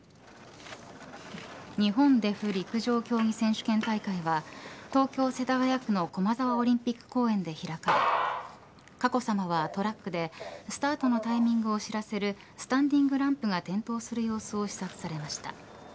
日本デフ陸上競技選手権大会は東京、世田谷区の駒沢オリンピック公園で開かれ佳子さまはトラックでスタートのタイミングを知らせるスタンディングランプが点灯する様子を視察されました。